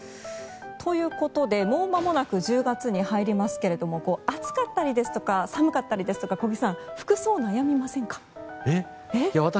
ということで、もうまもなく１０月に入りますが暑かったりですとか寒かったりですとか小木さん、服装悩みませんか？